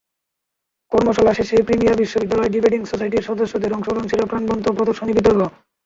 কর্মশালা শেষে প্রিমিয়ার বিশ্ববিদ্যালয় ডিবেটিং সোসাইটির সদস্যদের অংশগ্রহণে ছিল প্রাণবন্ত প্রদর্শনী বিতর্ক।